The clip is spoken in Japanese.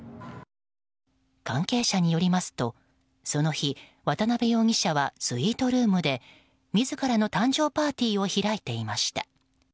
関係者によりますとその日、渡辺容疑者はスイートルームで自らの誕生パーティーを開いていました。